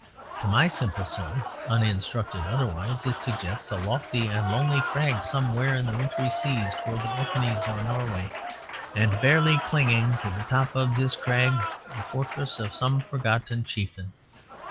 To my simple soul (uninstructed otherwise) it suggests a lofty and lonely crag somewhere in the wintry seas towards the Orkheys or Norway; and barely clinging to the top of this crag the fortress of some forgotten chieftain.